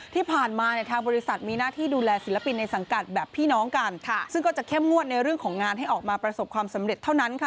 ที่ผ่านมาเนี่ยทางบริษัทมีหน้าที่ดูแลศิลปินในสังกัดแบบพี่น้องกันซึ่งก็จะเข้มงวดในเรื่องของงานให้ออกมาประสบความสำเร็จเท่านั้นค่ะ